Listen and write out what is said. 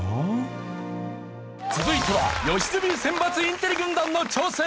続いては良純選抜インテリ軍団の挑戦！